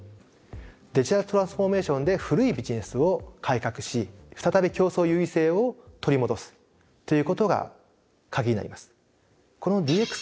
デジタルトランスフォーメーションで古いビジネスを改革し再び競争優位性を取り戻すということがカギになります。